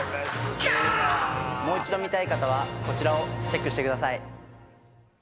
もう一度見たい方はこちらをチェックしてください。